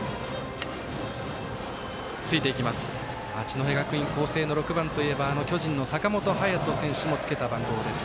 八戸学院光星の６番といえば巨人の坂本勇人選手もつけた番号です。